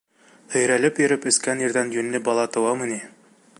Һөйрәлеп йөрөп эскән ирҙән йүнле бала тыуамы ни?